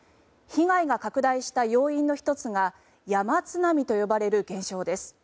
被害が拡大した要因の１つが山津波と呼ばれる現象です。